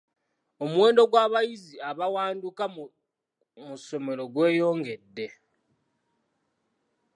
Omuwendo gw'abayizi abawanduka mu ssomero gweyongedde.